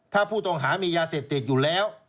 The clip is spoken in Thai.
ถ้าผู้ต้องหามียาเสพติดอยู่แล้ว